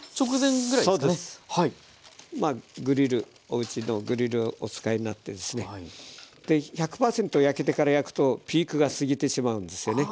おうちのグリルお使いになってですね１００パーセント焼けてから焼くとピークが過ぎてしまうんですよね。